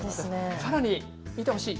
さらに見てほしい。